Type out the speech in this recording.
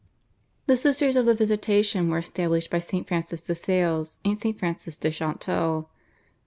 The Sisters of the Visitation were established by St. Francis de Sales and St. Frances de Chantal.